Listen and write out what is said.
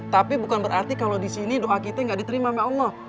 tapi bukan berarti kalau di sini doa kita gak diterima sama allah